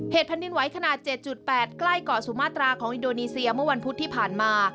แผ่นดินไหวขนาด๗๘ใกล้เกาะสุมาตราของอินโดนีเซียเมื่อวันพุธที่ผ่านมา